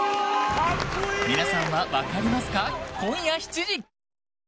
皆さんは分かりますか？